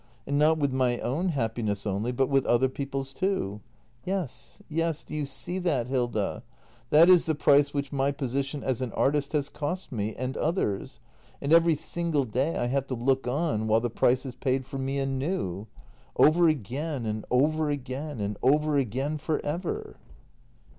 And not with my own happiness only, but with other people's too. Yes, yes, do you see t h a t, Hilda ? That is the price which my position as an artist has cost me — and others. And every single day I have to look on while the price is paid for me anew. Over again, and over again — and over again for ever!